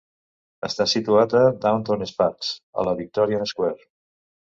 Està situat a Downtown Sparks a la Victorian Square.